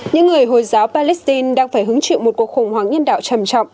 những người hồi giáo palestine đang phải hứng chịu một cuộc khủng hoảng nhân đạo trầm trọng